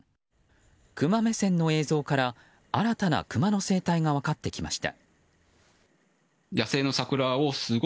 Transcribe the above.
クマ目線の映像から新たなクマの生態が分かってきました。